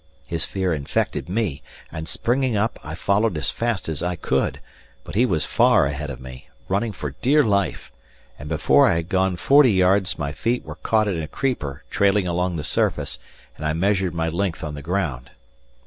His fear infected me, and, springing up, I followed as fast as I could, but he was far ahead of me, running for dear life; and before I had gone forty yards my feet were caught in a creeper trailing along the surface, and I measured my length on the ground.